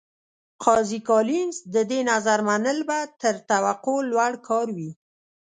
قاضي کالینز د دې نظر منل به تر توقع لوړ کار وي.